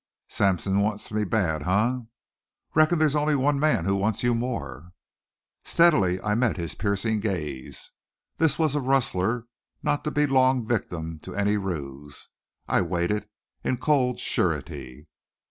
"Sampson wants me bad, eh?" "Reckon there's only one man who wants you more." Steadily, I met his piercing gaze. This was a rustler not to be long victim to any ruse. I waited in cold surety.